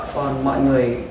còn mọi người